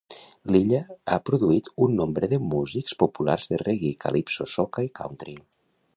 L'illa ha produït un nombre de músics populars de reggae, calypso, soca i country.